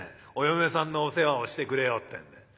お嫁さんのお世話をしてくれようってんで。